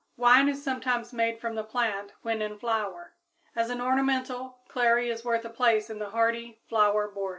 Wine is sometimes made from the plant when in flower. As an ornamental, clary is worth a place in the hardy flower border.